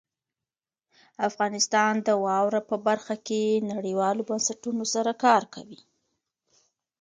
افغانستان د واوره په برخه کې نړیوالو بنسټونو سره کار کوي.